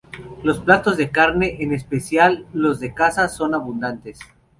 Los platos de carne, en especial los de caza, son abundantes.